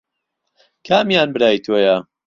کامیان برای تۆیە؟